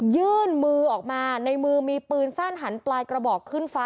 ยื่นมือออกมาในมือมีปืนสั้นหันปลายกระบอกขึ้นฟ้า